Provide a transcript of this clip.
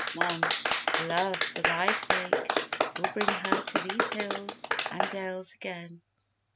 MON. Love, for thy sake, will bring her to these hills And dales again.